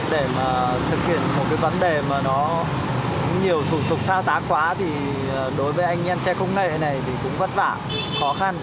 để mà thực hiện một cái vấn đề mà nó nhiều thủ tục thao tác quá thì đối với anh em xe công nghệ này thì cũng vất vả khó khăn